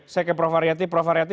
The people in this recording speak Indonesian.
saya ke prof aryati